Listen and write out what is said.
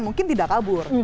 mungkin tidak kabur